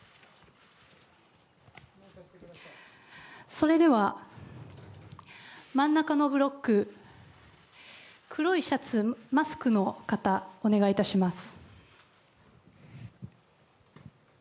それでは真ん中のブロック黒いシャツ、マスクの方お願いいたします。